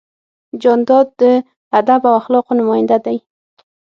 جانداد د ادب او اخلاقو نماینده دی.